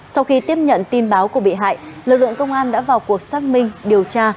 sau khi tiếp nhận tin báo của bị hại lực lượng công an đã vào cuộc xác minh